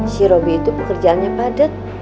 si robi itu pekerjaannya padat